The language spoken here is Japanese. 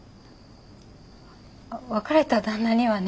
別れた旦那にはね